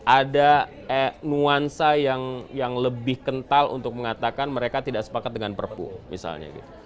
ada nuansa yang lebih kental untuk mengatakan mereka tidak sepakat dengan perpu misalnya gitu